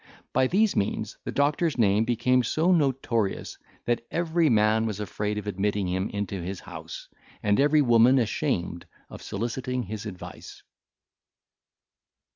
By these means the doctor's name became so notorious that every man was afraid of admitting him into his house, and every woman ashamed of soliciting his advice.